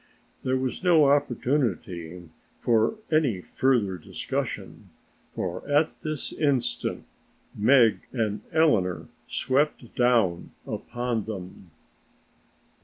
There was no opportunity for any further discussion, for at this instant Meg and Eleanor swept down upon them.